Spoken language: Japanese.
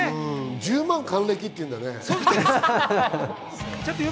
１０万還暦っていうんだね。